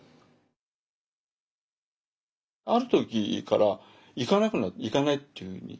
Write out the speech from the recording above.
ある時から行かないっていうふうに。